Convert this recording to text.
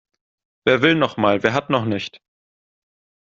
Wer will noch mal, wer hat noch nicht?